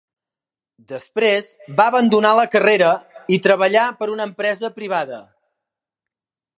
Després va abandonar la carrera i treballar per a una empresa privada.